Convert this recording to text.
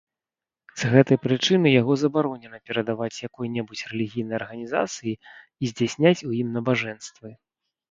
З гэтай прычыны яго забаронена перадаваць якой-небудзь рэлігійнай арганізацыі і здзяйсняць у ім набажэнствы.